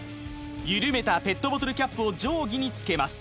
緩めたペットボトルキャップを定規に付けます